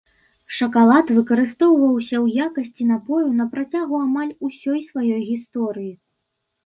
Шакалад выкарыстоўваўся ў якасці напою на працягу амаль усёй сваёй гісторыі.